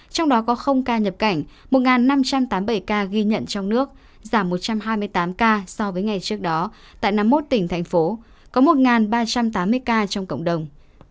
trong đó có ca nhập cảnh một năm trăm tám mươi bảy ca ghi nhận trong nước giảm một trăm hai mươi tám ca so với ngày trước đó tại năm mươi một tỉnh thành phố có một ba trăm tám mươi ca trong cộng đồng